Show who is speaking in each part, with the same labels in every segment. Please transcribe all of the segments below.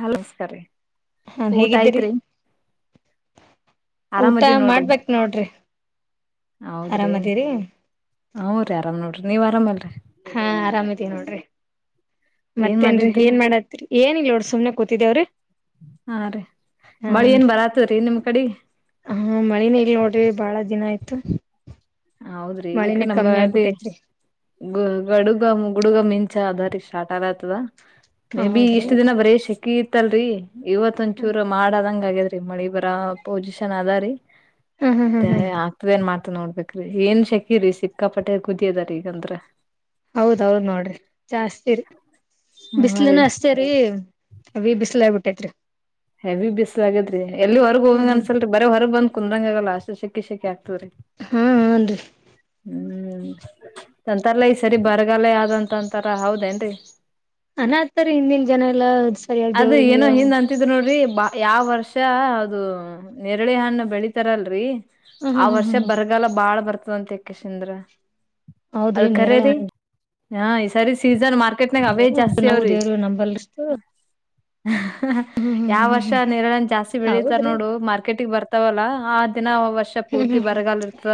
Speaker 1: ಹಾ ನಮಸ್ಕಾರ
Speaker 2: ಹಾನ್ ಹೇಗಿದ್ದೀರಿ ಊಟ
Speaker 1: ಆರಾಮದಿವ್ ನೋಡ್ರಿ
Speaker 2: ಮಾಡ್ಬೇಕೇ ನೋಡ್ರಿ
Speaker 1: ಹೌದ್ರಿ
Speaker 2: ಆರಾಮದಿರಿ
Speaker 1: ಹ್ರರಿ ಆರಾಮ್ ನೋಡ್ರಿ ನೀವ್ ಆರಾಮಲ್ರರಿ
Speaker 2: ಹಾ ಆರಾಮಿದೀ ನೋಡ್ರಿ
Speaker 1: ಏನ್
Speaker 2: ಮತ್ತೇನ್ರಿ
Speaker 1: ಮಾಡಿದ್ರಿ
Speaker 2: ಏನ್ ಮಾಡತ್ರಿ ಏನಿಲ್ಲಲ್ೋಡ್ ಸು್ನೆ ಕೂತಿದವ್ರರಿ
Speaker 1: ಹಾ ರೀ ಮಳಿ ಏನ್
Speaker 2: ಹಾನ್ರಿ
Speaker 1: ಬರತದ್ರಿ ನಿಮ್ ಕಡಿ
Speaker 2: ಹ ಮಳಿನ ಇಲ್ ನೋಡ್ರಿ ಬಾಳ ದಿನ ಆಯ್ತ್ು ಪ್ಪ
Speaker 1: ಹೌದ್ರಿ ಈಕ ನ ಅಲ್ಲಿ ಗಡುಗ ಗುಡುಗ ಮಿಂಚ ಅದ ರೀ ಸ್ಟಾರ್ಟ್ ಆಗತದ ಮೇ
Speaker 2: ಹ
Speaker 1: ಬಿ
Speaker 2: ಹೌದ್ರಿ
Speaker 1: ಇಷ್ಟ ದಿನ ಬರೀ ಸೆಕಿ ಇತ್ತಲ್ರಿ ಇವತ್
Speaker 2: ಹ್ಮ್
Speaker 1: ಒಂದಚೂರು ಮಾಡದಂಗ ಆಗ್ಯದ್ರೀ ಮಳಿ ಬರ ಪೊಸಿಷನ್ ಅದ ರೀ
Speaker 2: ಹ್ಮ್ ಹ್ಮ್
Speaker 1: ಮತ್ತೆ
Speaker 2: ಹ್ಮ್
Speaker 1: ಆಗ್ತದ ಏನ್ ಮಾಡ್ತದ ನೋಡ್ಬೇಕು ಏನ್ ಶೆಕೀರಿ ಸಿಕ್ಕಾಪಟ್ಟೆ ಕುದಿಯದಾರಿ ಈಗಂದ್ರ
Speaker 2: ಹೌದ್ ಹೌದ ನೋಡ್ರಿ ಜಾಸ್ತಿರಿ
Speaker 1: ಹಾ
Speaker 2: ಬಿಸಲಿನ
Speaker 1: ರೀ
Speaker 2: ಅಷ್ಟೇರಿೀ ಹೆವಿ ಬಿಸಲ ಆಗ ಬಿಟ್ಟಿತೇರಿ
Speaker 1: ಹೆವಿ ಬಿಸಲಗಿದ್ರಿ ಎಲ್ಲಿ ಹೊರ್ಗ ಹೋಗಂಗ ಅನ್ಸಲ್ ಬರ ಹೊರಗ್ ಬಂದ ಕುಂದ್ರಂಗ ಆಗಲ್ಲ ಅಷ್ಟ ಶಕೀ ಶಕ್ಕಿ ಆಗ್
Speaker 2: ಹಾ ಹನ್ರಿ
Speaker 1: ಹ್ಮ್ ಅಂತರ್ ಲಾ ಈ ಸರಿ ಬರಗಾಲ ಆದಂತಂತಾರ ಹೌದೇನ್ರಿ
Speaker 2: ಅನತರಿ ಹಿಂದಿನ ಜನ ಎಲ್ಲಾ
Speaker 1: ಅದು ಏನೋ
Speaker 2: ಸರಿಯ್ದೇವ್ರಿಗೆ
Speaker 1: ಹಿಂದ್ ಅಂತಿದ್ರು ನೋಡ್ರಿ ಬಾ ಯಾವ ವರ್ಷ ಅದು ನೆರಳಿ ಹಣ್ಣ ಬೆಳಿತಾರಲ್ರಿ ಆ
Speaker 2: ಹ್ಮ್ ಹ್ಮ್
Speaker 1: ವರ್ಷ
Speaker 2: ಹ್ಮ್
Speaker 1: ಬರಗಲ್ಲ ಬಾಳ್ ಬರ್ತದಂತೆ ಯಕಶಂದ್ರ
Speaker 2: ಹೌದ್ರಿ ನೆರಾಳೆ ಹಣ್ಣು
Speaker 1: ಹಾ ಈ ಸರಿ ಸೀಸನ್ ಮಾರ್ಕೆಟ್ನಾಗ ಅವೇ
Speaker 2: ಹಣ್ಣ
Speaker 1: ಜಾಸ್ತಿ
Speaker 2: ನಾವು
Speaker 1: ಅವ್ರಿ
Speaker 2: ದೇವ್ರು ನಂಬಲ್ಷ್ಟು ಹ್ಮ್ ಹ್ಮ್
Speaker 1: ಯಾವ
Speaker 2: ಹ್ಮ್
Speaker 1: ವರ್ಷ
Speaker 2: ಹ್ಮ್
Speaker 1: ನೇರಳ ಹಣ್ಣು ಜಾಸ್ತಿ ಬೆಳಿತಾರ
Speaker 2: ಹೌದ್ರಿ
Speaker 1: ನೋಡು ಮಾರ್ಕೆಟಗ್ ಬರ್ತಾವಲ್ಲಾ ಆ ದಿನ ವರ್ಷ
Speaker 2: ಹ್ಮ್
Speaker 1: ಪೂರ್ತಿ
Speaker 2: ಹ್ಮ್ ಹ್ಮ್
Speaker 1: ಬರಗಾಲ ಇರ್ತ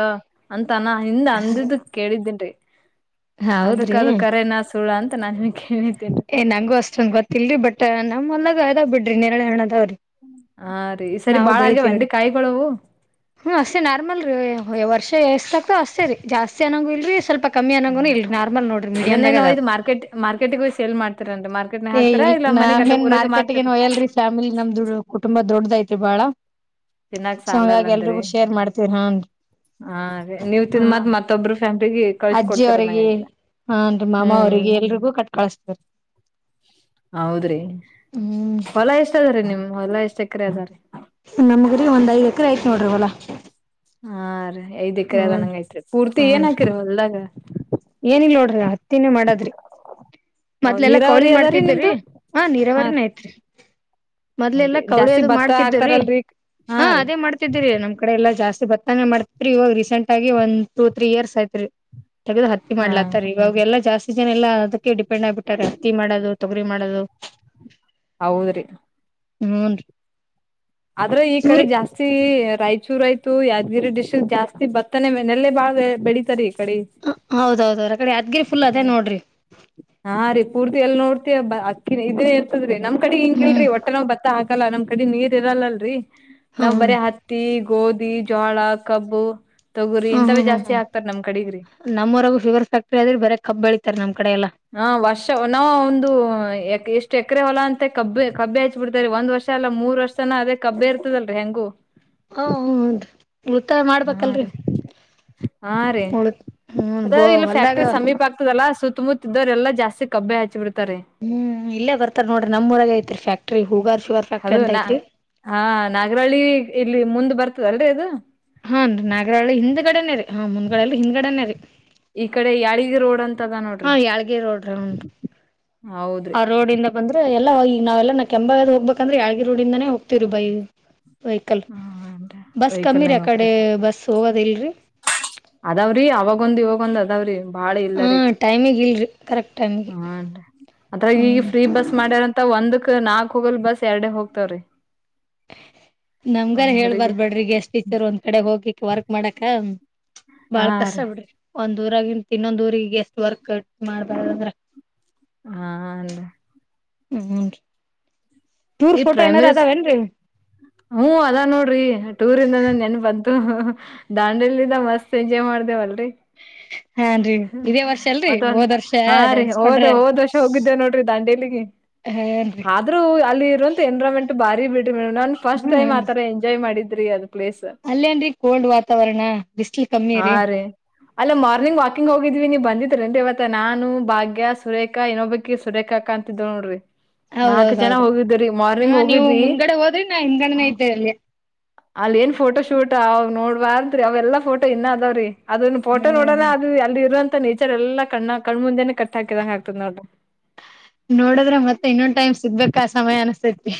Speaker 1: ಅಂತಾನ ಹಿಂದ್ ಅಂದಿದ್ದ ಕೇಳಿದ್ದೇನ ರಿ
Speaker 2: ಹೌದ್ರಿ
Speaker 1: ಅದಕ್ಕದು ಕರೆನಾ ಸುಳ ಅಂತ ನನಗೇನು
Speaker 2: ಏ ನಂಗು ಅಷ್ಟೊಂದು ಗೊತ್ತಿಲ್ರಿ ಬಟ್ ನಮ್ಮ್ ಹೋಲ್ಡಾಗ್ ಅದಾವ್ ಬಿಡ್ರಿ ನೆರಳೆ ಹಣ್ಣದಾವ್ರಿ
Speaker 1: ಹಾ ರೀ ಸರಿ ಬಾಳ ಆಗ್ಯವ ಏನ್ರಿ ಕಾಯಿಗಳವು
Speaker 2: ಹ್ಮ್ ಅಷ್ಟೇ ನಾರ್ಮಲ್ ರರಿ ವರ್ಷ ಎಷ್ಟಾಗ್ತೋ ಅಷ್ಟೇ ರೀ ಜಾಸ್ತಿ ಅನಾಗು ಇಲ್ರಿ ಸ್ವಲ್ಪ ಕಮ್ಮಿ
Speaker 1: ಹ್ಮ್
Speaker 2: ಅನ್ನಂಗುನು ಇಲ್ರಿ ನಾರ್ಮಲ್ ನೋಡ್ರಿ ಮೀಡಿಯಂ ದಾಗ್
Speaker 1: ಅದನ್ನೇನು
Speaker 2: ಅದಾವ
Speaker 1: ಒಯ್ದ್ ಮಾರ್ಕೆಟ್ ಮಾರ್ಕೆಟಿಗೆ ಹೋಗಿ ಸೇಲ್ ಮಾಡ್ತೀರನ್ರಿ ಮಾರ್ಕೆಟ್ನಾಗ
Speaker 2: ಏ
Speaker 1: ಹಾಕ್ತಾರಾ
Speaker 2: ಇಲ್
Speaker 1: ಇಲ್ಲ
Speaker 2: ನಾ
Speaker 1: ಮನಿಗ್ ಅಲ್ಲೇ
Speaker 2: ಏನ್
Speaker 1: ಊರಾಗೆ
Speaker 2: ಮಾರ್ಕೆಟ್ ಗೆನ್
Speaker 1: ಮಾರ್ತೀರಿ
Speaker 2: ವಯಲಾರಿ ಫ್ಯಾಮಿಲಿ ನಮ್ದದು ಕುಟುಂಬ ದೊಡ್ಡದ ಐತಿ ಬಳಾ
Speaker 1: ತಿನ್ನಾಕ್
Speaker 2: ಸೊ
Speaker 1: ಸಾಲಲ್ಲ
Speaker 2: ಹಂಗಾಗಿ
Speaker 1: ಅಂದ್ರಿ
Speaker 2: ಎಲ್ರಿಗೂ ಶೇರ್ ಮಾಡ್ತೀರ ಹನ್ರಿ
Speaker 1: ಹಾ ರೀ ನೀವ್ ತಿಂದ್
Speaker 2: ಹ
Speaker 1: ಮತ್ ಮತ್ತೊಬ್ರು ಫ್ಯಾಮಿಲಿಗೆ ಕಳ್ಸಿ
Speaker 2: ಅಜ್ಜಿ
Speaker 1: ಕೊಡ್ತೀರ
Speaker 2: ಅವ್ರರಿಗೆ
Speaker 1: ನಂಗೈತೆ
Speaker 2: ಹಾನ್ರಿ ಮಾಮ
Speaker 1: ಹ್ಮ್
Speaker 2: ಅವ್ರಿಗೆ ಎಲ್ರಿಗೂ ಕೊಟ್ಟ ಕಳಸ್ತಿವಿ
Speaker 1: ಹೌದ್ರಿ
Speaker 2: ಹ್ಮ್
Speaker 1: ಹೊಲ ಎಷ್ಟ ಅದ್ರೀ ನಿಮ್ ಹೊಲ ಎಷ್ಟ ಎಕರೆ ಅದಾರೀ
Speaker 2: ನಮೂದು ರಿ ಒಂದ ಐದೂ ಎಕರೆ ಐತಿ ನೋಡ್ರಿ ಹೊಲ
Speaker 1: ಹಾ ರೀ ಐದ ಎಕರೆ ಅದ
Speaker 2: ಹ್ಮ್
Speaker 1: ನಂಗ ಐತ್ರಿ ಪೂರ್ತಿ ಏನ್ ಹಕಿರಿ ಹೊಲ್ದಾಗ
Speaker 2: ಏನಿಲ್ಲ ನೋಡ್ರಿ ಹತ್ತಿನಾ ಮಾಡದ್ರಿ ಮತ್ದ್ಲೆಲ್ಲಾ ಕೋಳಿ
Speaker 1: ನೀರಾವರಿ ಅದಾರೀ
Speaker 2: ಮಾಡ್ತಿದ್ರಿ
Speaker 1: ನಿಮ್ದು
Speaker 2: ಹ
Speaker 1: ಹಾ
Speaker 2: ನೀರಾವರಿನ
Speaker 1: ರೀ
Speaker 2: ಐತ್ರಿ ಮೊದ್ಲೆ ಎಲ್ಲಾ
Speaker 1: ಹೌದ್ರಿ
Speaker 2: ಕೌಳಿ
Speaker 1: ಜಾಸ್ತಿ
Speaker 2: ಅದು
Speaker 1: ಭತ್ತ
Speaker 2: ಮಾಡ್ತಿದ್ದ್ರೀ
Speaker 1: ಹಾಕ್ತಾರಲ್ರರಿ
Speaker 2: ಹಾ ಅದೇ ಮಾಡ್ತಿದ್ದಿರಿ ನಮ್ ಕಡೆ ಎಲ್ಲಾ ಜಾಸ್ತಿ ಬತ್ತಾನೆ ಮಾಡ್ತ್ರಿ ಇವಾಗ ರೀಸೆಂಟ್ಗಿ ಒಂದ್ ಟೂ ತ್ರೀ ಇಯರ್ಸ್ ಆಯತ್ರಿ ತಗದು ಹತ್ತಿ
Speaker 1: ಹಾ ರೀ
Speaker 2: ಮಾಡ್ಲತ್ತಾರೆ ಇವಾಗೆಲ್ಲ ಜಾಸ್ತಿ ಜನ ಎಲ್ಲ ಅದಕ್ಕೆ ಡಿಪೆಂಡ್ ಆಗ್ಬಿಟ್ಟಾರೆ ಹತ್ತಿ ಮಾಡೋದು ತೊಗರಿ ಮಾಡದು
Speaker 1: ಹೌದ್ರಿ
Speaker 2: ಹೂಂ ರಿ
Speaker 1: ಆದ್ರೆ ಈ ಕಡೆ ಜಾಸ್ತಿ ರಾಯಚೂರು ಆಯ್ತು ಯದ ಗಿರಿ ಡಿಶಲ್ ಜಾಸ್ತಿ ಬತ್ತನೇೆಲ್ಲಲೆ ಬಾಳ ಬೆಳೀತಾರಿ
Speaker 2: ಹೌದೌದ ರಿ ಆ ಕಡೆ ಯಾದಗಿರಿ ಫುಲ್ ಅದೇ
Speaker 1: ಹ
Speaker 2: ನೋಡ್ರಿ
Speaker 1: ಹಾ ರೀ ಪೂರ್ತಿ ಎಲ್ಲಿ ನೋಡ ಮ ಅಕ್ಕಿನ ಇದೇ ಇರ್ತದ್ರೀ ನಮ್ ಕಡೆ
Speaker 2: ಹ್ಮ್
Speaker 1: ಹಿಂಗಿಲ್ರರಿ ಒಟ್ಟೆ ನೆ ಭತ್ತ ಹಾಕಲ್ಲ ನಮ್ ಕಡೆ ನೀರ್ ಇರಲ್ಲಲ್ರರಿ ನಾವ್
Speaker 2: ಹ್ಮ್
Speaker 1: ಬರೀ ಹತ್ತಿ ಗೋಧಿ ಜೋಳ ಕಬ್ಬು ತೊಗುರಿ
Speaker 2: ಹ್ಮ್
Speaker 1: ಹಿಂತವೇ
Speaker 2: ಹ್ಮ್
Speaker 1: ಜಾಸ್ತಿ
Speaker 2: ಹ್ಮ್
Speaker 1: ಆಕ್ತಾರ ನಮ ಕಡೆಗ್ರಿ
Speaker 2: ನಮ್ಮೂರಾಗು ಶುಗರ್ ಫ್ಯಾಕ್ಟ್ರಿ ಆದ್ರೆ ಬರ ಕಬ್ ಬೆಳಿತಾರ ನಮ್ ಕಡೆ ಎಲ್ಲ
Speaker 1: ಹಾ ವರ್ಷ ನಾವ ಒಂದು ಎ ಎಷ್ಟ್ ಎಕರೆ ಹೊಲ ಅಂತೆ ಕಬ್ಬ ಕಬ್ಬೆ ಹಚ್ಚ ಬಿಿಡ್ತಾರರಿ ಒಂದ್ ವರ್ಷ ಅಲ್ಲ ಮೂರ್ ವರ್ಷನ ಅದೇ ಕಬ್ಬ ಇರ್ತದಲ್ರರಿ ಹೆಂಗು
Speaker 2: ಹ ಹುನ್ರಿ ಉಳಿತಾಯ
Speaker 1: ಹಾ
Speaker 2: ಮಾಡ್ಬೇಕಲ್ರಿ
Speaker 1: ರೀ ಹಾ ರೀ ಅದ ಇಲ್ಲಿ
Speaker 2: ಹೊಲ್ದಾಗ
Speaker 1: ಫ್ಯಾಕ್ಟ್ರಿ ಸಮೀಪ ಆಗ್ತದಲ್ಲಾ ಸುತ್ತ ಸುತ್ತಮುತ್ತ ಇದರೆಲ್ಲ ಜಾಸ್ತಿ ಕಬ್ಬ ಹಚ್ಚಿ ಬಿಡ್ತೆವ
Speaker 2: ಹ್ಮ್ ಇಲ್ಲೇ ಬರ್ತಾರ ನೋಡ್ರಿ ನಮ್ಮೂರಾಗ ಐತ್ರಿ ಫ್ಯಾಕ್ಟ್ರಿ ಹೋಗದು
Speaker 1: ಅದು ನ ಹಾ ನಾಗರಹಳ್ಳಿ ಇಲ್ಲಿ ಮುಂದ್ ಬರ್ತದಲ್ರಿ ಅದು
Speaker 2: ಹಾನ್ರಿ ನಾಗರಳ್ಳ ಹಿಂದ್ಗಡನೇ ರರಿ ಹಾ ಮುಂದ್ಗಡೆೆಯಲ್ಲಿ ಹಿಂದ್ಗಡನೇ ರರಿ
Speaker 1: ಯಲಿಗಿರೊಡ್
Speaker 2: ಹಾ ಯಾಳಗಿ ರೋಡ ಹಾ ಹುನ್ರಿ
Speaker 1: ಹೌದ್ರಿ
Speaker 2: ಆ ರೋಡಿಂದ ಬಂದ್ರ ಎಲ್ಲ ಎಲ್ಲ ನಾವೆಲ್ಲಾ ಕೆಂಭಾವಿ ಹೋಗಬೇಕಂದ್ರ ಯಾಳಗಿ ರೋಡಿಂದಾನ ಹೋಗ್ತಿವರಿ ಬೈ ವೆಹಿಕಲ್
Speaker 1: ಹನ್ರಿ
Speaker 2: ಬಸ್ ಕಮ್ಮಿ ರೀ
Speaker 1: ವೆಹಿಕಲ್ನಾಗ
Speaker 2: ಆ ಕಡೆ
Speaker 1: ಹೋಗ್ತಾರ
Speaker 2: ಬಸ್ ಹೋಗೋದ ಇಲ್ರಿ
Speaker 1: ಅದಾವ್ರಿ ಅವಾಗೊಂದ ಇವಾಗೊಂದ ಅದಾವ್ರಿ
Speaker 2: ಹಾ ಟೈಮಿಗ್ ಇಲ್ರಿ ಕರೆಕ್ಟ್ ಟೈಮಿಗೆ
Speaker 1: ಹಾನರೀ ಅದ್ರಾಗ ಈಗ
Speaker 2: ಹ್ಮ್
Speaker 1: ಫ್ರೀ ಬಸ್ ಮಾಡ್ಯಾರಂತ ಒಂದು ನಾಕ್ ಹೋಗಲ್ ಬಸ್ ಎರಡೆ ಹೋಗ್ತಾವ್ರೀ
Speaker 2: ನಮಗರೇ ಹೇಳ್ಬಾರಬಿಡ್ರಿ ಗೇಷ್ಟ್ ಟೀಚರ್ ಒಂದ್ ಕಡೆ ಹೋಗಿಕ್ ವರ್ಕ್ ಮಾಡಾಕ
Speaker 1: ಹಾ
Speaker 2: ಬಾಳ್ ಕಸ
Speaker 1: ರೀ
Speaker 2: ಬಿಡ ಒಂದ ದೂರಾಗಿನ್ ಇನ್ನೊಂದು ದೂರಿಗೆ ಗೇಷ್ಟ ವರ್ಕ್ ಮಾಡ್ಬಾರಂದ್ರ
Speaker 1: ಹಾ ನರೀ
Speaker 2: ಹುನರಿ ಟೂರ್ ಫೋಟೋ ಏನಾರ ಅದಾವ ಏನ್ರರಿ
Speaker 1: ಹ್ಮ್ ಅದಾ ನೋಡ್ರಿ ಟೂರಿಂದ ನೆನಪ ಬಂತು ದಾಂಡೆಲ್ದಿ ಮಸ್ತ್ ಎಂಜಾಯ ಮಾಡ್ದೇವಲ್ರರಿ
Speaker 2: ಹ
Speaker 1: ಮತ್ತೊಂದ ಹಾ ರೀ ಹೋದ
Speaker 2: ನೆನ್ಸ್ಕೊಂಡ್ರೆ
Speaker 1: ಹೋದ ವರ್ಷ ಹೋಗಿದ್ದೆವ ನೋಡ್ರಿ ದಾಂಡೇಲಿಗೆ
Speaker 2: ಹಾನ್ರಿ
Speaker 1: ಆದ್ರೂ ಅಲ್ಲಿ ಇರುವಂತ ಎನ್ರಮೆಂಟ್ ಬಾರಿ ಬಾರಿ ಬಿಡ್ರಿ ಮೇಡಂ ನನ್ ಫಸ್ಟ್ ಟೈಮ್
Speaker 2: ಹ್ಮ್
Speaker 1: ಆತರಾ ಎಂಜಾಯ್ ಮಾಡಿದ್ರಿ ಅದು ಪ್ಲೇಸ್
Speaker 2: ಅಲ್ಲೇನ್ರಿ ಕೋಲ್ಡ್ ವಾತಾವರಣ ಬಿಸ್ಲ್ ಕಮ್ಮಿ
Speaker 1: ಹಾ ರೀ ಅಲ್ಲ ಮಾರ್ನಿಂಗ್ ವಾಕಿಂಗ್ ಹೋಗ ಹೋಗಿದ್ವಿ ನೀವು ಬಂದಿದರೇನರಿ ಅವತ್ತ ನಾನು ಭಾಗ್ಯಾ, ಸುರೇಖಾ ಇನ್ನೊಬ್ಬಕಿ ಸುರೇಖಾಕ್ಕ ಅಂತಿದಳ ನೋಡ್ರಿ. ನಾಕು ಜನ
Speaker 2: ಹೌದೌದೌದು
Speaker 1: ಹೋಗಿದ್ರಿ ಮಾರ್ನಿಂಗ್
Speaker 2: ಹಾ ನೀವು
Speaker 1: ಹೋಗಿದ್ವಿ
Speaker 2: ಮುಂದ್ಗಡೆ ಹೋದ್ರಿ ನಾ
Speaker 1: ಹ
Speaker 2: ಹಿಂದ್ಗಡೆನೆ ಇದ್ದೆ ಅಲ್ಲಿ
Speaker 1: ಅಲ್ಲಿ ಏನ್ ಫೋಟೋ ಶೂಟಾ ನೋಡಬಾರದ್ರಿ ಅವೆಲ್ಲ ಫೋಟೋ ಇನ್ನ ಅದಾವ್ರೀ ಅದನ್ನ ಫೋಟೋ ನೋಡೋ
Speaker 2: ಹ್ಮ
Speaker 1: ಅದು ಅಲ್ಲಿ ಇರಂತ ಮ ನೇಚರ್ ಎಲ್ಲಾ ಕಣ್ಣ ಕಣ್ಮುಂದೆನೆ ಕಟ್ ಹಾಕಿದಂಗ ಆಗ್ತದ ನೋಡ್ರಿ
Speaker 2: ನೋಡದ್ರ ಮತ್ತೆ ಇನ್ನೊಂದ್ ಟೈಮ್ ಸಿಗ್ಬೇಕ ಆ ಸಮಯ ಅನಸ್ತೈತಿ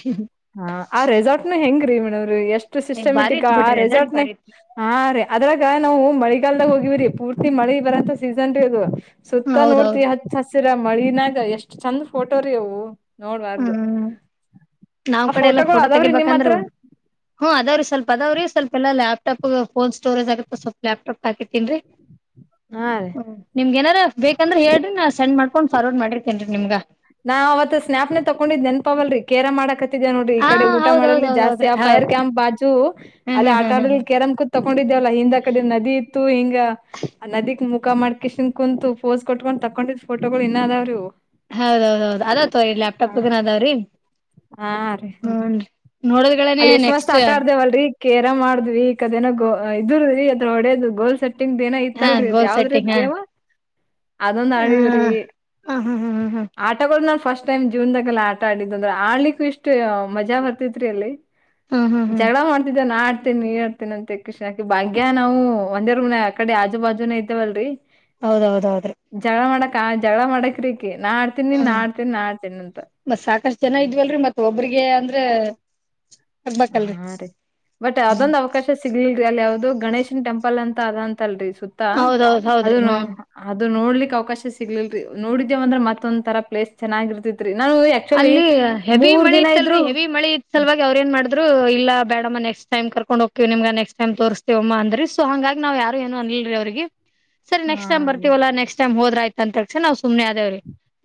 Speaker 1: ಹಾ ಆ ರೆಸಾರ್ಟ್ ನ ಹೆಂಗ್ರೀ ಮೇಡವ್ರೀ ಎಷ್ಟ
Speaker 2: ಬಾರಿ
Speaker 1: ಸಿಸ್ಟಮಟಿಕ್
Speaker 2: ಇತ್
Speaker 1: ಆ
Speaker 2: ಬಿಡ್ರಿ ರೆಸಲ್ಟ್
Speaker 1: ರೆಸಾರ್ಟ್
Speaker 2: ಬಾರಿ ಇತ್
Speaker 1: ಹಾ ರಿ ಅದ್ರಾಗ ನಾವು ಮಳಿ ಕಾಲಲ್ದಾಗ ಹೋಗಿವಿರಿ ಪೂರ್ತಿ ಮಳೆ ಬರಂತ ಸೀಸನ್ ರೀ ಅದು ಸುತ್ತ
Speaker 2: ಹೌದೌದು
Speaker 1: ನೋಡ್ತಿವ ಅಚ್ಚು ಹಸಿರ ರ ಮಳಿನ ಎಷ್ಟ್ ಚಂದ ಫೋಟೋ ರಿ ಅವು ನೋಡ್ಬಾರ್ದು
Speaker 2: ನಮ್ಮ
Speaker 1: ಆ
Speaker 2: ಕಡೆ ಎಲ್ಲಾ
Speaker 1: ಫೋಟೋಗಳು
Speaker 2: ಫೋಟೋ
Speaker 1: ಅದಾವ್ರಿ ನಿಮ್ಮ್
Speaker 2: ತೆಗಿಬೇಕಂದ್ರ
Speaker 1: ಹತ್ರ
Speaker 2: ಹ್ ಅದಾವ್ರೀ ಸ್ವಲ್ಪ ಅದಾವ್ರಿ ಸ್ವಲ್ಪ ಎಲ್ಲಾ ಲ್ಯಾಪಟಾಪ್ ಫೋನ್ ಸ್ಟೋರೇಜ್ ಆಗುತ್ತ ಅಂತ ಸ್ವಲ್ಪ ಲ್ಯಾಪಟಾಪ್ ಗ ಹಾಕತೀನ್ರಿ
Speaker 1: ಹಾ ರೀ
Speaker 2: ಹ್ಮ ನಿಮ್ಗೆ ಏನಾರ ಬೇಕಂದ್ರೆ ಹೇಳ್ರಿ ನಾ ಸೆಂಡ್ ಮಾಡ್ಕೊಂಡ್ ಫಾರ್ವರ್ಡ್ ಮಾಡಿರ್ತೇನ್ರಿ ನಿಮ್ಗ
Speaker 1: ನಾ ಅವತ್ ಸ್ನಾಪ್ನೆ ತಕೊಂಡಿದ್ದ್ ನೆನಪವಲ್ರರಿ ಕೇರಮ್ ಆಡಕತ್ತ ನೋಡ್ರಿ ಈ
Speaker 2: ಹಾ
Speaker 1: ಕಡೆ ಊಟ
Speaker 2: ಹೌದೌದ
Speaker 1: ಮಾಡಲ್ಲಿ ಜಾಸ್ತಿ
Speaker 2: ಹೌದೌದ್ರಿ
Speaker 1: ಆ
Speaker 2: ಹೌದ್
Speaker 1: ಫೈರ್ ಕ್ಯಾಂಪ್ ಬಾಜು
Speaker 2: ಹ್ಮ್
Speaker 1: ಅಲ್ಲಿ
Speaker 2: ಹ್ಮ್
Speaker 1: ಆಟ
Speaker 2: ಹ್ಮ್
Speaker 1: ಆಡಲ್ಲಿ
Speaker 2: ಹ್ಮ್
Speaker 1: ಕೆೇರಂ ಕೂ ಕೊಂಡಿದೆವಲ್ಲ ಹಿಂದ ಕಡೆ ನದಿ ಇ ಹಿಂಗ ನದಿಕ್ ಮುಖ ಮಾಡ್ಕಶನ್ ಕುಂತು ಪೋಸ್ ಕೊಟ್ಕೊಂಡ್ ತಕೊಂಡಿದ್ ಫೋಟೋಗಳು ಇನ್ನ ಅದಾವರೀ
Speaker 2: ಹೌದೌದೌದು ಅದತ್ವೋ ಲ್ಯಾಪ ಟ್ಯಾಪ ನಾಗ ಅದಾವ್ರೀ
Speaker 1: ಹಾ ರೀ ಅಲ್ಲಿ ಯಸ್ಟ್ ಮಸ್ತ್
Speaker 2: ನೆಕ್ಸ್ಟ್
Speaker 1: ಆಟ ಆಡ್ದೇವಲ್ರೀ ಕೇರಮ್ ಮಾಡಿದ್ವಿ ಕದೇನೋ ಇದು ರೀ ಅದ ಹೊಡೇದು ಗೋಲ್ ಸೆಟ್ಟಿಂಗ್ ಏನ
Speaker 2: ಹಾ
Speaker 1: ಇತ್ತಲ್ರರಿ ಅದ್
Speaker 2: ಗೋಲ್
Speaker 1: ಯಾವದರೀ
Speaker 2: ಸೆಟ್ಟಿಂಗ್ ಹಾ
Speaker 1: ಗೇಮ್ ಅದೊಂದ ಆಡವ್ರಿ
Speaker 2: ಹ ಹ್ಮ್ ಹ್ಮ್ ಹ್ಮ್ ಹ್ಮ್
Speaker 1: ಆಟಗಳ ನಾವ ಫಸ್ಟ್ ಟೈಮ್ ಜೀವನದಾಗೆಲ್ಲ ಆಟ ಆಡಿದ ಅಂದ್ರೆ ಆಡ್ಲಿಕ್ಕೂ ಇಷ್ಟು ಮಜಾ ಬರ್ತ ರಿ ಅಲ್ಲಿ
Speaker 2: ಹ್ಮ್ ಹ್ಮ್ ಹ್ಮ್
Speaker 1: ಜಗಳ ಮಾಡ್ತಿದ್ದ ನಾ ಆ ಮಾಡ್ತೇ ನೀ ಹಾಡ್ತೇನ ಅಂತನಂದಕೆಸಿ ಭಾಗ್ಯಾ ನಾವು ಒಂದೇ ರೂಂ ಆ ಕಡೆ ಆಜು ಬಾಜುನ ಇದ್ದವಲ್ರರಿ
Speaker 2: ಹೌದೌದೌದ್ರೀ
Speaker 1: ಹಾ ಜಗಳಾ ಮಾಡಕ್ರೀ
Speaker 2: ಹ್ಮ ಮತ್ ಸಾಕಷ್ಟು ಜನ ಇದ್ವಲ್ರರಿ ಮತ್ತ್ ಒಬ್ರಿಗೆ ಅಂದ್ರ
Speaker 1: ಹಾ ರೀ ಬಟ್ ಅದೊಂದು ಅವಕಾಶ ಸಿಗಲಿಲ್ಲ ರೀ ಅಲ್ಲಿ ಯಾವ್ದು ಗಣೇಶನ್ ಟೆಂಪಲ್ ಅಂತ ಅದಂತಲ್ರಿ ಸುತ್ತ
Speaker 2: ಹೌದೌದ್ ಹೌದ್ರಿ
Speaker 1: ಅದನ
Speaker 2: ಹ್ಮ್
Speaker 1: ಅದ್ ದು ನೋಡ್ಲಿ ಅವಕಾಶ ಸಿಗ್ಲಿಲ್ರಿ ನೋಡಿದೇವ ಅಂದ್ರ ಮತ್ತೊಂದ ತರ ಪ್ಲೇಸ್ ಚೆನ್ನಾಗಿರ್ತತ್ರಿ
Speaker 2: ಅಲ್ಲಿ ಹೆವಿ ಮಳಿ ಇತ್ತಲ್ರರಿ
Speaker 1: ಇದ್ರು
Speaker 2: ಹೆವಿ ಮಳಿ ಇ ಸಲುವಾಗಿ ಅವ್ರ ಏನ್ ಮಾಡ ಇ ಬಡ ನಕ್ಸ್ ಟಮ ಕರ್ಕೊಂಡ್ಗಿಮ ನೆಕ್ಸ್ಟೈಮ್ ತೋರ್ತೀವಮ್ಮ ಅದ್ರ ಸೊ ಹಂಗಾಗಿ ನಾವ್ ಯಾರುಏನು ಅ ಇಲ್ರಿ ಅವ್ರರಿಗೆ ಸರಿ
Speaker 1: ಹಾ
Speaker 2: ನಕ್ಸ್ಟ್ ಟೈಮ್ ಬರ್ತವ ನಕ್ಸ್ಟ್ ಟೈಮ್ ಹೋದ್ರ ರಯ್ತ ಅಂತಸ ನಾ ಸುಮ್ನೆ ಅ ಆದೇರರಿ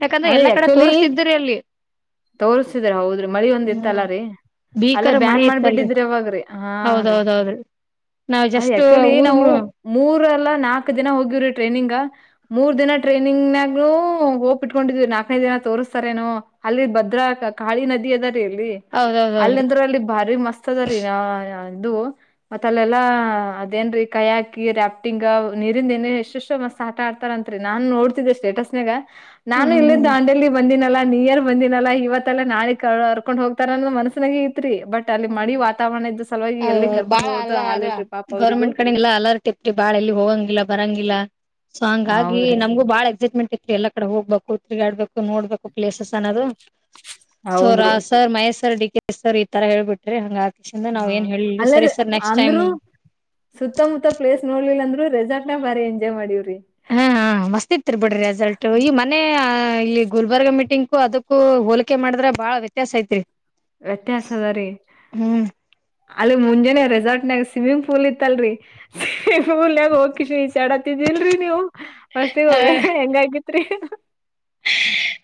Speaker 2: ಯಾಕಂದ್ರೆ
Speaker 1: ಅದೇ
Speaker 2: ಎಲ್ಲಾ ಕಡೆ
Speaker 1: ಆಕ್ಚುಲಿ
Speaker 2: ತೋರಿಸಸ್ತಿದ್ರಿ ಅಲ್ಲಿ
Speaker 1: ತೋರ್ಸಿದ್ರ ಹೌದ್ರಿ ಮಳಿ ಒಂದ್ ಇತ್ತಲ್ಲ
Speaker 2: ಹ್ಮ್
Speaker 1: ರೀ ಅಲ್ಲೇ
Speaker 2: ಭೀಕರ ಮಳಿ
Speaker 1: ಬ್ಯಾನ್
Speaker 2: ಇತ್ತಲ್ರಿ
Speaker 1: ಮಾಡ್ಬಿಟ್ಟಿದ್ರಿ ಅವಾಗ್ರೀ ಹಾ ರೀ
Speaker 2: ಹೌದೌದೌದ್ರಿ ನಾವ್
Speaker 1: ಅದ
Speaker 2: ಜಸ್ಟ್
Speaker 1: ಆಕ್ಚುಲಿಏ
Speaker 2: ಊರ್
Speaker 1: ನಾವು ಮೂರು ನಾಕ ದಿನ ಹೋಗವ್ರಿ ಟ್ರೈನಿಂಗ್ ಮೂರ್ ದಿನ ಟ್ರೈನಿಂಗ್ಗ ಬಿಟ್ಕೊಂಡಿದ್ವಿ ನಾಕನೈದು ದಿನಾ ತೋರಿಸ್ತಾರೆೇನು ಅಲ್ಲಿ ಭದ್ರಾ ಕಾಳಿ ನದಿ ಅದ ಲ್ಲಿ
Speaker 2: ಹೌದೌದೌದ್ರಿ
Speaker 1: ಅಲ್ಲಿಂದ್ರ ಅಲ್ಲಿ ಭಾರಿ ಮಸ್ತ್ ಅದ ರೀ ಅದು ಮತ್ತ ಅಲ್ಲೆಲ್ಲಾ ಅದೇನ್ ರೀ ಕೈ ಹಾಕಿ ರಾಫ್ಟಿಂಗ್ ನೀರಿಂದ ಏನ ಎಷ್ಟೆಷ್ಟು ಮಸ್ ಆಡ್ತಾರಂತ್ರಿ ನಾನ್ ನೋಡ್ತಿದ್ದೆ ಸ್ಟೇಟಸ್ ನಾಗ
Speaker 2: ಹ್ಮ್
Speaker 1: ನಾನು
Speaker 2: ಹ್ಮ್
Speaker 1: ಇಲ್ಲ ದಾಂಡೇಲಿ ಬಂದಿನ ಲ್ಲ ನ ನೀಯರ್ ಬಂದಿನಲ್ಲಾ ಇವತ್ತೆಲ್ಲ ನಾಳೆ ಅರ್ಕೊಂಡ್ ಹೋಗ್ತಾರ ಅನ್ನ ಮನಸ್ಸಾನಿಗ್ ತ್ರಿ ಬಟ್ ಅಲ್ಲಿ
Speaker 2: ಹ್ಮ್
Speaker 1: ಮಡಿ
Speaker 2: ಹ್ಮ್
Speaker 1: ವಾತಾವರಣ ಇದ್ದ ಸಲುವಾಗಿ
Speaker 2: ಅ
Speaker 1: ಎಲ್ಲಿ
Speaker 2: ಬಾಳ
Speaker 1: ಕರ್ಕೊಂಡ್ ಹೋದು
Speaker 2: ಅಲ್ಲ
Speaker 1: ಹಾಲ
Speaker 2: ಅಲ್ಲ
Speaker 1: ಇಲ್ರರಿ ಪಾಪ ಅವ್ರಿಗೂ
Speaker 2: ಗೌರ್ಮೆಂಟ್ ಕಡೆಲ್ಲ ಅಲರ್ಟ್ ಬಾಳ ಎಲ್ಲಿ ಹೋಗಂಗಿಲ್ಲ ಬರಂಗಿಲ್ಲ ಸೊ ಹಂಗಾಗಿ
Speaker 1: ಹೌದ್ರಿ
Speaker 2: ನಮಗೂ ಬಾಳ ಎಕ್ಸೈಟ್ಮೆಂಟ್ ಇ ಎಲ್ಲಾ ಕಡೆ ಹೋಗ್ಬೇಕು ತಿರುಗಾಡ್ಬೇಕು ನೋಡ್ಬೇಕು ಪ್ಲೇಸಸ್ ಅನ್ನೋದು
Speaker 1: ಹೌದ್ರಿ
Speaker 2: ಸೋರಾವ್ ಸರ್ ಮಹೇಶ್ಸರ್ ಡಿಕ ಸರ್ ಈ ತರ ಹೇಳ್ಬಿಟ್ರಿ ಹಂಗ ಆಕಿಸಿಂದ
Speaker 1: ಹ್ಮ
Speaker 2: ನಾವ್ ಏನ್ ಹೇಳಿಲ್ರಿ
Speaker 1: ಅಲ್ಲರ
Speaker 2: ಸರಿ ಸರ್ ನೆಕ್ಸ್ಟ್ ಟೈಮ್
Speaker 1: ಅಂದ್ರರು ಸುತ್ತಮುತ್ತ ಪ್ಲೇಸ್ ನೋಡ್ಲಿಲ್ಲ ಅಂದ್ರರು ರೆಸಾರ್ಟ್ ಬಾರಿ ಎಂಜಾಯ್ ಮಾಡಿರು
Speaker 2: ಹಾ ಹ ಮಸ್ತಿ ಇತ್ತರ್ ಬಿಡ್ರಿ ರೆಸಲ್ಟ್ ಈ ಮನೆ ಇಲ್ಲಿ ಗುಲ್ಬರ್ಗ ಮೀಟಿಂಗ್ ಕೂ ಅದಕ್ಕೂ ಹೋಲಿಕೆ ಮಾಡಿದ್ರ ಬಾಳ ವ್ಯತ್ಯಾಸ ಐತ್ರಿ
Speaker 1: ವ್ಯತ್ಯಾಸ ಅದ ರೀ
Speaker 2: ಹ್ಮ್
Speaker 1: ಅಲ್ಲಿ ಮುಂಜಾನೆ ರೆಸಾರ್ಟ್ ಗ ಸ್ವಿಮ್ಮಿಂಗ್ ಪೂಲ್ ಇತ್ತಲ್ರಿ ಸ್ವಿಮಿಂಗ್ ಪೂಲ್ ಹೋಗಿ ಕಷಚಾಡತ್ತಿದಿಲ್ರರಿ ನೀವು ಫಸ್ಟ್ ಗೆ ಹೋಗ ಹೆಂಗಗತ್ರಿ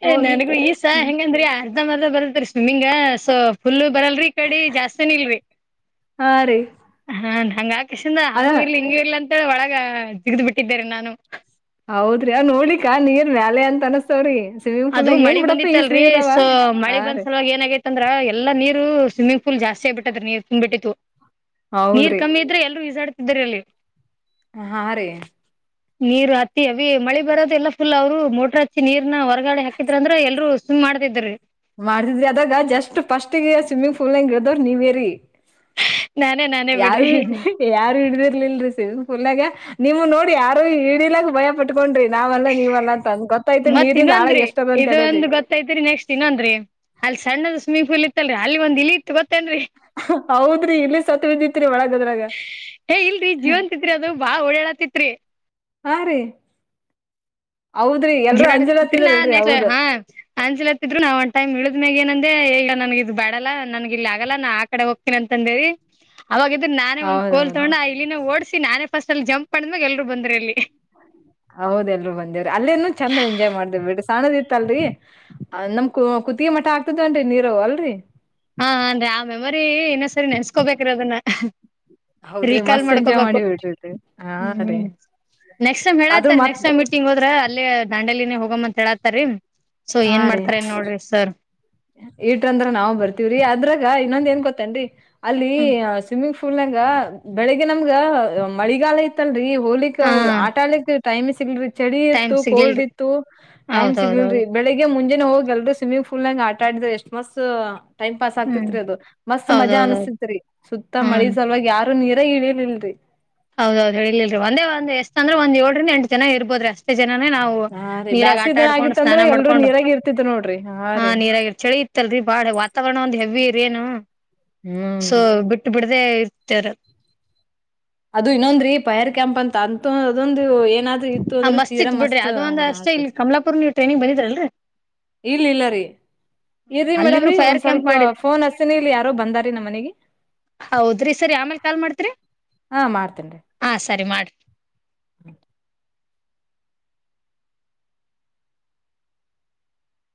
Speaker 2: ಏ ನನಗೂ ಈಸ ಹೆಂಗಂದ್ರರಿ ಅರ್ಧ್ ಮರ್ದ ಬರ್ತ್ರಿ ಸ್ವಿಮ್ಮಿಂಗ ಸೊ ಫುಲ್ಲು ಬರಲ್ರಿ ಕಡೆ ಜಾಸ್ತಿನ ಇಲ್ರಿ
Speaker 1: ಹಾ ರೀ
Speaker 2: ಹ ಹಂಗ ಎಶಂದ
Speaker 1: ಅದ
Speaker 2: ಹಂಗೂ ಇರ್ಲಿ ಹಿಂಗೂ ಇರ್ಲಿ ಅಂತ ಒಳಗ ಜಿಗ್ದ್ ಬಿಟ್ಟಿದ್ದಿದ್ದಾರೆ ನಾನು
Speaker 1: ತನಸ್ತೋರಿ
Speaker 2: ಅದು ಮಳಿ ಬಂದಿತ್ತಲ್ರರಿ ಸೊ ಮಳಿ
Speaker 1: ಹಾ
Speaker 2: ಬಂದ್
Speaker 1: ರೀ
Speaker 2: ಸಲುವಾಗ ಏನಾಗೈತ್ಂದ್ರ ಎಲ್ಲಾ ನೀರು ಸ್ವಿಮ್ಮಿಂಗ್ ಪೂಲ್ ಜಾಸ್ತಿ ಆಗ್ಬ ಬಿಟ್ಟತದೆ ನೀರ್ ಬಿಟ್ಟಿತ್ತು ನೀರ್
Speaker 1: ಹೌದ್ರಿ
Speaker 2: ಕಮ್ಮಿ ಇದ್ರೆ ಎಲ್ಲರೂ ಈಶಡ್ ಇದರಲ್ಲಿ
Speaker 1: ಹಾರಿ
Speaker 2: ನೀರ್ ಹತ್ತಿ ಅ ಮಳಿ ಬರೋದಲ್ಲ ಫುಲ್ ಅವ್ರು ಮೋಟ್ರ ಹಚ್ಚಿ ನೀರ್ನ ಹೊರಗ ಗಾಡಿ ಹಾಕಿದ್ರ ಅಂದ್ರೆ ಎಲ್ರು ಸ ಸಿಮ್ ಮಾಡ್ತಿದ್ರರಿ
Speaker 1: ಮಾಡತಿದ್ರಿ ಅದಾಗ ಜಸ್ಟ್ ಫಸ್ಟ್ಗ ಸ್ವಿಮ್ಮಿಂಗ್ ಪೂಲ್ ನಂಗ ಗಿಡ್ದವ್ ನೀವೇರಿ
Speaker 2: ನಾನೇ ನಾನೇ
Speaker 1: ಯಾರು
Speaker 2: ಬಿಡ್ರಿ
Speaker 1: ಯಾರು ಹಿಡ್ದಿರ್ಲಲ್ರಿ ಸೇ ಪುಲಾಗ ನೀವು ನೋಡಿ ಯಾರು ಈಡಿಲಕ್ ಭಯ ಪಟ್ಟ ಬೊಂಡ್ರಿ ನಾವ್ಲ್ಲ ನೀವಲ್ಲಂದ ಗೊತ್ತಾಯ್ತಿರಿ
Speaker 2: ಮತ್
Speaker 1: ನೀರಿಂದ ನಾಳ
Speaker 2: ಇನ್ನೊಂದ್ರಿ
Speaker 1: ಎಷ್ಟದ ಅಂತ
Speaker 2: ಇದು
Speaker 1: ಹೇಳಿ
Speaker 2: ಒಂದ್ ಗೊತ್ತೈತ್ರಿ ನೆಕ್ಸ್ಟ್ ಇನ್ನೊಂದ್ರಿ ಅಲ್ಲಿ ಸಣ್ಣದ ಸ್ವಿಮ್ಮಿಂಗ್ ಪೂಲ್ ಇತ್ತಲ್ರಿ ಅಲ್ಲಿ ಒಂದ ಇತ್ತುತ್
Speaker 1: ಹೌದ್ರಿ ಇಲ್ಲಿ ಸತ್ ಬಿದ್ದಿತ್ರಿ ಒಳಗ ಅದ್ರಾಗ
Speaker 2: ಇಲ್ರಿ ಜೀವನ್ತ ಇತ್ತ ಅದು ಬಾಳ ಓಡಾಳತಿತ್ರಿ
Speaker 1: ಆ ರೀ ಹೌದ್ರಿ ಎಲ್ರೂ
Speaker 2: ಗಡಾಡ
Speaker 1: ಅಂಜಲತ್ತಿದ್ರಲ್ರಿ
Speaker 2: ನ
Speaker 1: ಹೌದು
Speaker 2: ಹ ಅಂಜಲತ್ತಿದ್ರು ನಾ ಒನ್ ಟೈಮ್ ಇ ಗ ಏನಂದೆ ಈಗ ನನ್ಗ ಇದು ಬಾಡಲ್ಲ ನನ್ಗ ಇಲ್ಲಿ ಆಗಲ್ಲ ನಾ ಆ ಕಡೆ ಹೋಗ್ತೇನ ಅಂತ ಅಂದೇರಿ ಅವಾಗ ಇದ್ರ ನಾನೇ ಒಂದ ಕೋಲ್
Speaker 1: ಹೌದೌದು
Speaker 2: ತಗೊಂಡ ಇಲ್ಲಿನ ಓಡಸಿ ನಾನೇ ಫಸ್ ಅಲ್ಲಿ ಜಂಪ್ ಮಾಡ್ಮ್ಯಾಗ ಎಲ್ರು ಬಂದ್ರ ಅಲ್ಲಿ
Speaker 1: ಹೌದ ಎಲ್ರು ಬಂದೇವ್ರಿ ಅಲ್ಲೇನು ಚಂದ ಎಂಜಾಯ್ ಮಾಡ್ದೇವ್ ಬಿಡ ಸಣದಿತ್ತ ಅಲ್ರಿ ನಮ್ ಕು ಕುತ್ತೆ ಗೆ ಮಠ ಆಗ್ತದನ್ರಿ ನೀರು ಅಲ್ರರಿ
Speaker 2: ಹಾ ಅಂದ್ರೆ ಆ ಮೆಮೊರಿ ಇನ್ನೊ ಸರಿ ನೆನ್ಸ್ಕೋಬೇಕ್ರ ಅದನ್ನ
Speaker 1: ಹೌದ್ರಿ
Speaker 2: ರೀಕಾಲ್
Speaker 1: ಮಸ್ತ್ ಎಂಜಾಯ್
Speaker 2: ಮಾಡ್ಕೊಬೇಕು
Speaker 1: ಮಾಡಿ ಬಿಡ್ರಿ ಹಾ ರೀ
Speaker 2: ಹ್ಮ್ ನೆಕ್ಸ್ ಟಮ್
Speaker 1: ಅದು
Speaker 2: ಹೇಳಾತ ರ
Speaker 1: ಮತ್
Speaker 2: ನಕ್ಸ್ಟೈಮ ಮೀಂಗ ಹೋದ್ರ ಅಲ್ಲೇ ದಾಂಡಲಿನೇ ಹೋಗಮ್ಮ ಅಂತ ಹೇಳಾತಾರಿೀ ಸೊ ಏನ್ ಮಾಡ್ತಾರನ್ ನೋಡ್ರಿ ಸರ್
Speaker 1: ಇಟ್ರಂದ್ರ ನಾವ್ ಬರ್ತವ್ರಿ ಅದ್ರಾಗ ಇನ್ನೊಂದ ಏನ್ ಗೊತ್ತನ್ರಿ ಅಲ್ಲಿ ಸ್ವಿಮ್ಮಿಂಗ್ ಫುಲ್ಂಗ ಬೆಳಗ್ ನಮ್ಗ ಮಳಿಗಾಲ ಇತ್ತಲ್ರರಿ ಹೋಲಕ್
Speaker 2: ಹಾ
Speaker 1: ಆಟ ಆಲಿಕ್ ಟೈಮ್ ಸಿಗಲ್ರಿ ಚಳಿ
Speaker 2: ಟೈಮ್
Speaker 1: ಇತ್ತು ಕೋಲ್ಡ್
Speaker 2: ಸಿಗ್ಲಿಲ್ರಿ
Speaker 1: ಇತ್ತು ಟೈಮ್ ಸಿಗ್ಲ್ರರಿ
Speaker 2: ಹೌದೌದೌದು
Speaker 1: ಬೆಳಿಗ್ ಮುಂಜೆಾನನೆ ಹೋಗಿ ಅಲ್ರರಿ ಸ್ವಿಮ್ಮಿಂಗ್ ಪಫಲ್ ನಂಗ ಆ ಕಾಡಿದ್ರ ಎಷ್ಟು ಮಸ್ು ಟೈಮ್ ಪಾಸ್ ಆಗ್ತಿತ್
Speaker 2: ಹ್ಮ್
Speaker 1: ರರಿ ಅದು ಮಸ್ತ್ ಮಜಾ
Speaker 2: ಹೌದೌದೌದು
Speaker 1: ಅನಿಸ್ತಿತ್ ರರಿ ಸುತ್ತ
Speaker 2: ಹ್ಮ್
Speaker 1: ಮಳಿ ಸಲವಾಗ ಯಾರು ನೀರ್ ದ ಇಿಳಿಯಲ ಇಲ್ರಿ
Speaker 2: ಹೌದೌದು ಹೇಳ ಇಲ್ರಿೀ ಒಂದ ಎಷ್ಟ ಅಂದ್ರ ಒಂದ ಏಡ್ರಿಂದ ಎಂಟ ಜನ ಇರ್ಬೋದ್ರಿ ಅಷ್ಟೇ ಜನೇ ನಾವು
Speaker 1: ಹಾ ರೀ
Speaker 2: ನೀರಾಗ
Speaker 1: ಬ್ಯಾಸಿಗೆ
Speaker 2: ಆಟ
Speaker 1: ದಿನ
Speaker 2: ಆಡ್ಕೊಂಡು
Speaker 1: ಆಗಿತ್ತಂದ್ರ
Speaker 2: ಸ್ನಾನ
Speaker 1: ಎಲ್ರೂ
Speaker 2: ಮಾಡ್ಕೊಂಡು
Speaker 1: ನೀರಾಗ ಇರ್ತಿದ್ರು ನೋಡ್ರಿ ಹಾ
Speaker 2: ಹ
Speaker 1: ರೀ
Speaker 2: ನೀರಾಗಿ ಚಳಿ ಇ ಲ್ರಿ ಬಾಳ ವಾತಾವರಣ ಒಂದ ಹೆವಿ ರ ಏನು ಸೊ
Speaker 1: ಹ್ಮನ್ರಿ
Speaker 2: ಬಿಟ್ಟು ಬಿಡ್ ಅೇ ಉತ್ತರ
Speaker 1: ಅದು ಇನ್ನೊಂದ್ರೀ ಪೈರ್ ಕ್ಯಾಂಪ್ ಅಂತ ಅಂತ ಅದೊಂದು ಏನಾದ ಇತ್ತು
Speaker 2: ಹಾ
Speaker 1: ಅಂದ್ರೆ ತೀರಾ
Speaker 2: ಇತ್ ಬಿಡ್ರಿ
Speaker 1: ಮಸ್ತ್
Speaker 2: ಅದು ಒಂದ ಅಷ್ಟೇ
Speaker 1: ಯಾತದ
Speaker 2: ಇಲ್ಲಿ ಕಮಲಾಪುರ್ ನೀವು ಟ್ರೈನಿಂಗ್ ಬಂದಿದ್ರಲ್ರರಿ
Speaker 1: ಇಲ್ಲ ಇಲ್ಲ ರೀ ಇ್ರಿ
Speaker 2: ಅಲ್ಲಿನೂ
Speaker 1: ಮೇಡಮ್್ರೀ
Speaker 2: ಫೈರ್
Speaker 1: ಒಂದ್
Speaker 2: ಕ್ಯಾಂಪ್
Speaker 1: ಸ್ವಲ್ಪ
Speaker 2: ಮಾಡಿದ್
Speaker 1: ಫೋನ್ ಹಸ್ತಿನಿ ಇಲ್ಲಿ ಯಾರೋ ಬಂದಾರೀ ನಮ್ಮ್ ಮನಿಗೆ
Speaker 2: ಹೌದ್ರಿ ಸರಿ ಆಮೇಲ್ ಕಾಲ್ ಮಾಡ್ತ್ರಿ
Speaker 1: ಹಾ ಮಾಡ್ತೇನ್ರಿ
Speaker 2: ಹ
Speaker 1: ಹ್ಮ